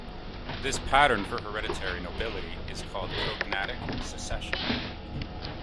This pattern for hereditary nobility is called 'cognatic succession'.